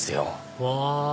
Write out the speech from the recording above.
うわ！